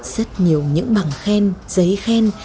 rất nhiều những bằng khen giấy khen